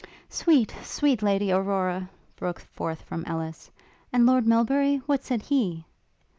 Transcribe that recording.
'Sweet! sweet Lady Aurora!' broke forth from Ellis; 'And Lord Melbury? what said he?'